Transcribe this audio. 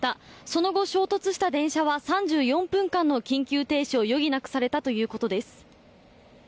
その後、衝突した電車は３４分間の緊急停止を余儀なくされたということです。